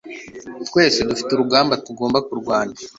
Twese dufite urugamba tugomba kurwana